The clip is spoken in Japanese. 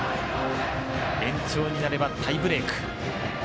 延長になればタイブレーク。